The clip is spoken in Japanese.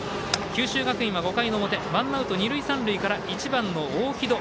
九州学院は５回の表ワンアウト二塁三塁から１番の大城戸。